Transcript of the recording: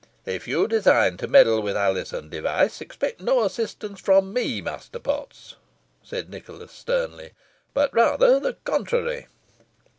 "If you design to meddle with Alizon Device, expect no assistance from me, Master Potts," said Nicholas, sternly, "but rather the contrary."